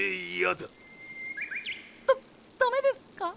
ダダメですか？